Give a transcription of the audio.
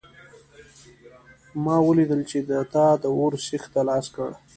ما ولیدل چې تا د اور سیخ ته لاس کړ